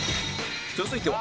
続いては